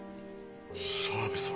澤部さん。